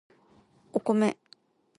お米